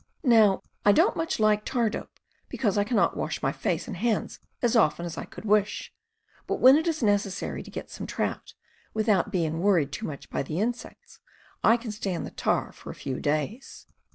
. Now I don't much like tar dope be cause I can not wash my face and hands as often as I could w ish ; but when it is necessary to get some trout, without being worried too much by the insects, I can stand the tar for a few days.